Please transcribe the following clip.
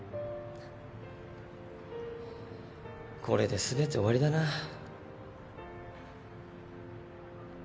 これで全て終わりだな。